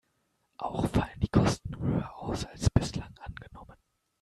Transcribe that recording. Auch fallen die Kosten höher aus, als bislang angenommen.